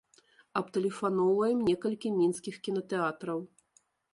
Абтэлефаноўваем некалькі мінскіх кінатэатраў.